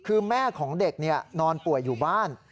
คือแม่ของเด็กนอนป่วยอยู่บ้าน